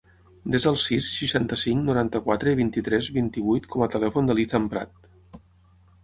Desa el sis, seixanta-cinc, noranta-quatre, vint-i-tres, vint-i-vuit com a telèfon de l'Ethan Prat.